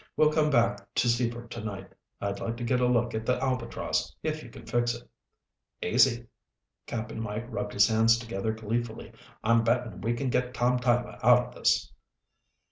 We'll come back to Seaford tonight. I'd like to get a look at the Albatross, if you can fix it." "Easy." Cap'n Mike rubbed his hands together gleefully. "I'm betting we can get Tom Tyler out of this."